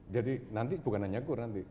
jadi nanti bukan hanya kur nanti